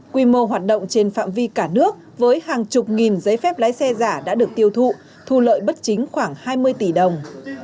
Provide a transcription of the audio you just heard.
quy mô hoạt động trên phạm vi cả nước với hàng chục nghìn giấy phép lái xe giả đã được tiêu thụ thu lợi bất chính khoảng hai mươi tỷ đồng